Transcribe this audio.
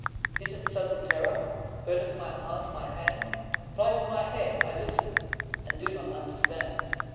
Is it sudden terror Burdens my heart? My hand Flies to my head. I listen.... And do not understand.